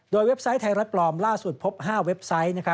โดยเว็บไซต์ไทยรัฐปลอมล่าสุดพบ๕เว็บไซต์